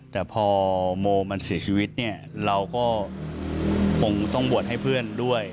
แต่พอโมมันเสียชีวิตเนี่ยเราก็คงต้องบวชให้เพื่อนด้วย